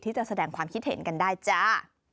แสดงความคิดเห็นกันได้จ้า